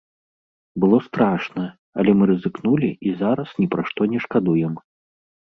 Было страшна, але мы рызыкнулі і зараз ні пра што не шкадуем.